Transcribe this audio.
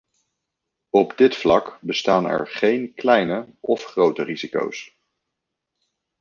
Op dit vlak bestaan er geen kleine of grote risico's.